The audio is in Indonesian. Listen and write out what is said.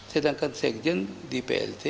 sedangkan sekjen di plt